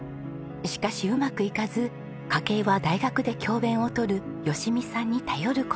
しかしうまくいかず家計は大学で教鞭を執る淑美さんに頼る事に。